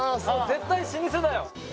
絶対老舗だよ